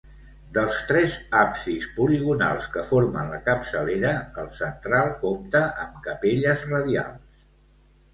Dels tres absis poligonals que formen la capçalera, el central compta amb capelles radials.